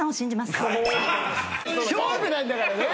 勝負なんだからね！